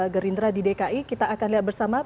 gerindra di dki kita akan lihat bersama